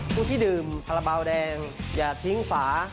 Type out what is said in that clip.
ผู้ที่ดื่มแบลาเขาแบายแดงอย่าทิ้งฝา